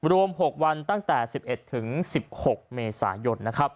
รวม๖วันตั้งแต่๑๑ถึง๑๖เมษายน